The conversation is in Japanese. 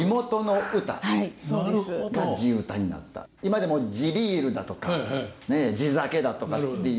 今でも地ビールだとか地酒だとかっていう。